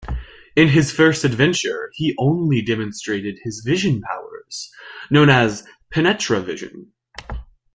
In his first adventure he only demonstrated his vision powers, known as "penetra-vision".